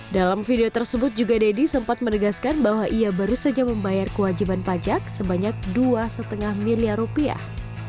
dalam video tersebut juga deddy sempat menegaskan bahwa ia baru saja membayar kewajiban pajak sebanyak dua lima miliar rupiah